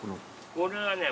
これはね。